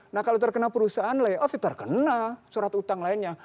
nah kalau terkena perusahaan layoff terkena surat utang lainnya